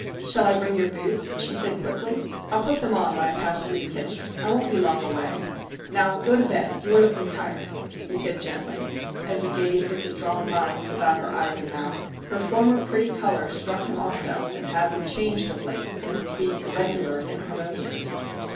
'Shall I bring your boots?' she said quickly. ' I '11 put them on when I pass through the kitchen. I won't be long away. Now go to bed. You are looking tired,' he said gently, as he gazed at the drawn lines about her eyes and mouth. Her former pretty colour struck him also as having changed of late and as being irregular and inharmonious.